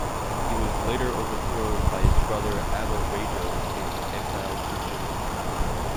He was later overthrown by his brother Abba Rago and exiled to Jimma.